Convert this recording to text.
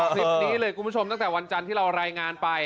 คลิปนี้เลยคุณผู้ชมตั้งแต่วันจันทร์ที่เรารายงานไป